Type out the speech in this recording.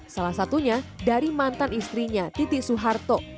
salah satunya dari mantan istrinya titi soeharto